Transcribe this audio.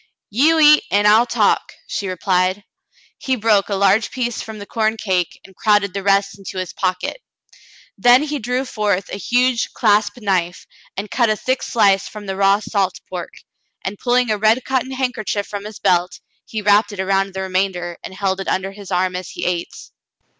"You eat, an' I'll talk," she replied. He broke a large piece from the corn cake and crowded the rest into his Aunt Sally meets Frale 33 pocket. Then he drew forth a huge clasp knife and cut a thick sHce from the raw salt pork, and pulhng a red cotton handkerchief from his belt, he wrapped it around the re mamder and held it under his arm as he ate.